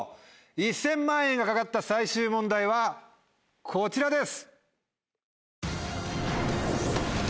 １０００万円が懸かった最終問題はこちらです。